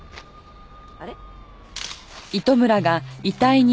あれ？